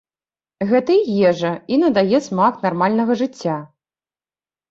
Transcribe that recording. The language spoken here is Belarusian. Гэта і ежа, і надае смак нармальнага жыцця.